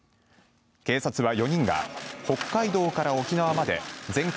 警察は４人が北海道から沖縄まで全国